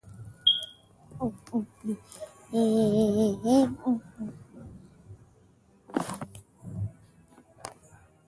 She serves on the advisory council of the Spanish National Research Council.